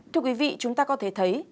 thưa quý vị chúng ta có thể thấy